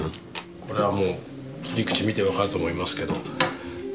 これはもう切り口見て分かると思いますけど全然違うでしょ